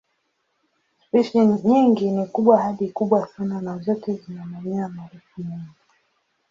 Spishi nyingi ni kubwa hadi kubwa sana na zote zina manyoya marefu mengi.